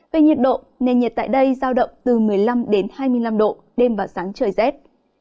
về nhiệt độ nền nhiệt tại đây giao động từ một mươi năm hai mươi năm độ đêm và sáng trời rét